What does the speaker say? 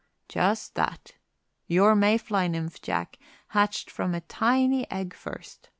"Just that. Your May fly nymph, Jack, hatched from a tiny egg first.